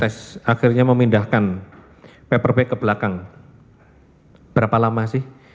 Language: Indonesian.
tes akhirnya memindahkan paperback ke belakang berapa lama sih